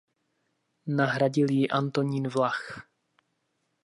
Nahradil ji Antonín Vlach.